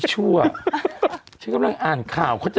ช่วยน้อยอ่านข่าวเขาจะ